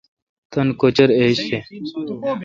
تان کوچر ایج تھ۔